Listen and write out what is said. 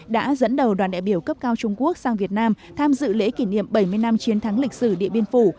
đã dẫn đầu đoàn đại biểu cấp cao trung quốc sang việt nam tham dự lễ kỷ niệm bảy mươi năm chiến thắng lịch sử địa biên phủ